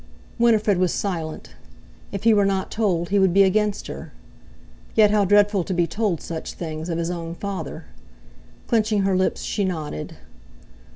Winifred was silent. If he were not told, he would be against her! Yet, how dreadful to be told such things of his own father! Clenching her lips, she nodded.